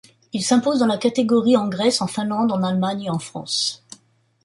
Il s'impose dans la catégorie, en Grèce, en Finlande, en Allemagne, et en France.